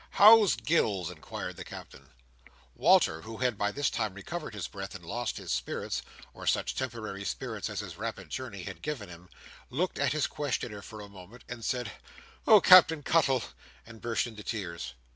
"How's Gills?" inquired the Captain. Walter, who had by this time recovered his breath, and lost his spirits—or such temporary spirits as his rapid journey had given him—looked at his questioner for a moment, said "Oh, Captain Cuttle!" and burst into tears.